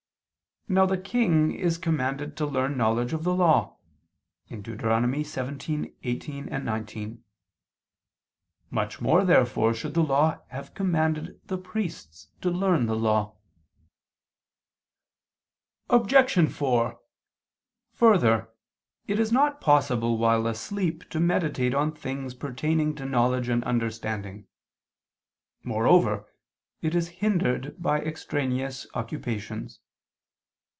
Now the king is commanded to learn knowledge of the Law (Deut. 17:18, 19). Much more therefore should the Law have commanded the priests to learn the Law. Obj. 4: Further, it is not possible while asleep to meditate on things pertaining to knowledge and understanding: moreover it is hindered by extraneous occupations.